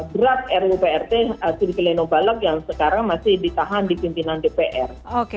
gerak ruprt srikeleno baleg yang sekarang masih ditahan di pimpinan dpr